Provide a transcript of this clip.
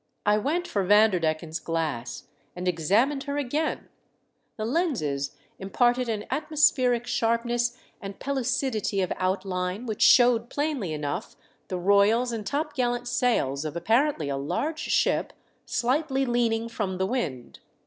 I went for Vanderdecken's glass and examined her again ; the lenses imparted an atmospheric 23e> THE DEATH SHIP. sharpness and pellucidity of outline which showed plainly enough the royals and top gallant sails of apparently a large ship slightly leaning from the wind.